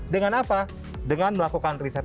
dengan apa dengan melakukan riset